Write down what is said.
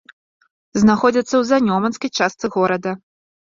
Знаходзяцца ў занёманскай частцы горада.